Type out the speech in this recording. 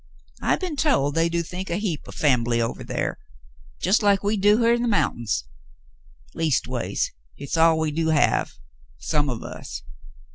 I been told they do think a heap o' fambly ovah thar, jest like we do here in the mountins. Leastways, hit's all we do have — some of us.